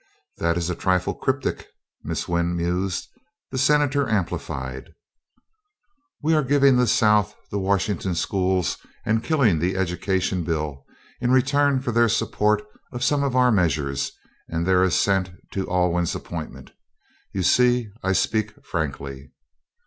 "That is a trifle cryptic," Miss Wynn mused. The Senator amplified. "We are giving the South the Washington schools and killing the Education Bill in return for this support of some of our measures and their assent to Alwyn's appointment. You see I speak frankly."